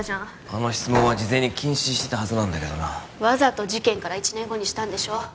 あの質問は事前に禁止してたはずなんだけどなわざと事件から１年後にしたんでしょ